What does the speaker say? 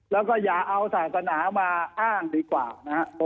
แล้วก็อย่าเอาศาสนามาอ้างดีกว่านะครับ